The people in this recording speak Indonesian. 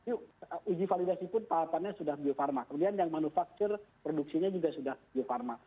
yuk uji validasi pun tahapannya sudah bio farma kemudian yang manufaktur produksinya juga sudah bio farma